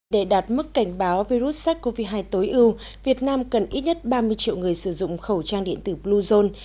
để đạt mức cảnh báo virus sars cov hai tối ưu việt nam cần ít nhất ba mươi triệu người sử dụng khẩu trang điện tử bluezone